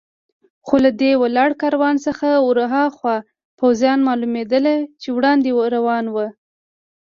خو له دې ولاړ کاروان څخه ور هاخوا پوځیان معلومېدل چې وړاندې روان و.